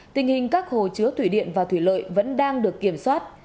tình hình các hồ chứa thủy điện và thủy lợi vẫn đang được kiểm soát